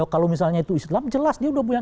kalau misalnya itu islam jelas dia udah punya